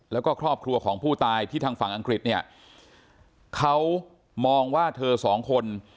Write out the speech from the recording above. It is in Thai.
แล้วก็ครอบครัวของผู้ตายที่ทางฝั่งอังกฤษเนี่ยเขามองว่าเธอสองคน